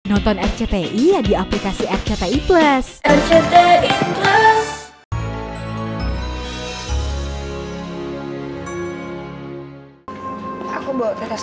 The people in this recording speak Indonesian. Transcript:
nonton rcti ya di aplikasi rcti plus